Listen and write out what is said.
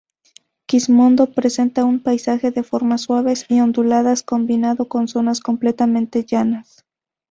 Quismondo presenta un paisaje de formas suaves y onduladas combinado con zonas completamente llanas.